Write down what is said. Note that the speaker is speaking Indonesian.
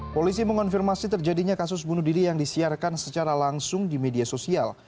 polisi mengonfirmasi terjadinya kasus bunuh diri yang disiarkan secara langsung di media sosial